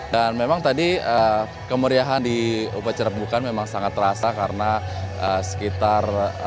dan memang tadi kemeriahan di upacara pembukaan memang sangat terasa karena sekitar